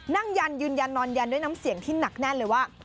ยันยืนยันนอนยันด้วยน้ำเสียงที่หนักแน่นเลยว่า